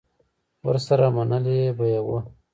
ورسره منلې به یې وه.